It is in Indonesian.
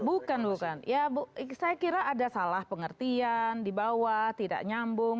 bukan bukan ya saya kira ada salah pengertian di bawah tidak nyambung